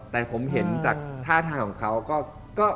แต่ผมเห็นจากท่าทางของเขาก็